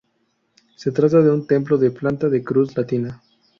Se trata de un templo de planta de cruz latina.